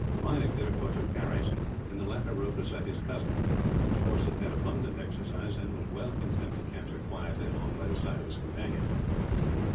Meinik, therefore, took Harry's; and the latter rode beside his cousin, whose horse had had abundant exercise, and was well content to canter quietly along by the side of his companion.